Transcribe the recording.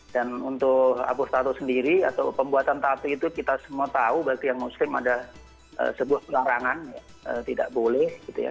dan untuk hapus tato sendiri atau pembuatan tato itu kita semua tahu bagi yang muslim ada sebuah pelarangan tidak boleh gitu ya